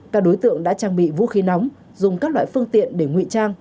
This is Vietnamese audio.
các đối tượng đã trang bị vũ khí nóng dùng các loại phương tiện để ngụy trang